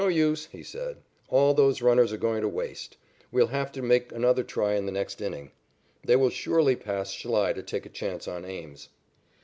"No use," he said. "All those runners are going to waste. We'll have to make another try in the next inning. They will surely pass Schlei to take a chance on Ames."